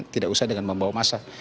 tidak usah dengan membawa masa